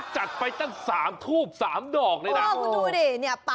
จัดไปตั้ง๓ทูบ๓ดอกเลยนะ